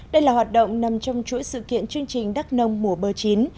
đây là hoạt động nằm trong chuỗi sự kiện chương trình đắk nông mùa bơ chín